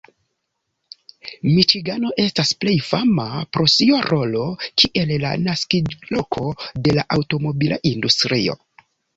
Miĉigano estas plej fama pro sia rolo kiel la naskiĝloko de la aŭtomobila industrio.